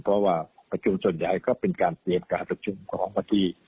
เพราะว่าประชุมส่วนใหญ่ก็เป็นการเปลี่ยนการประชุมของวันที่